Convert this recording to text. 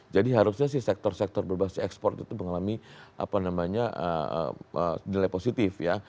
jadi harusnya sih sektor sektor berbasis ekspor itu mengalami nilai positif ya